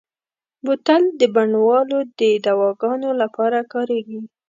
بوتل د بڼوالو د دواګانو لپاره کارېږي.